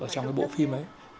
trong cái bộ phim ấy